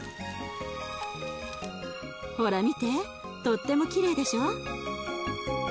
ほら見てとってもきれいでしょ？